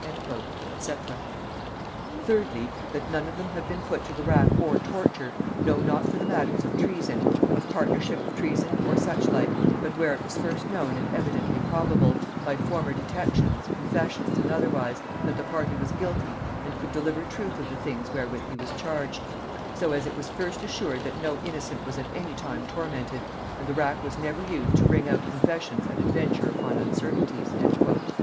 &c. "Thirdly, that none of them have been put to the rack or torture, no not for the matters of treason, or partnership of treason, or such like, but where it was first known and evidently probable, by former detections, confessions, and otherwise, that the party was guilty, and could deliver truth of the things wherewith he was charged; so as it was first assured that no innocent was at any time tormented, and the rack was never used to wring out confessions at adventure upon uncertainties." &c.